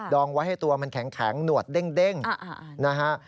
องไว้ให้ตัวมันแข็งหนวดเด้งนะฮะ